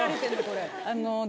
これ。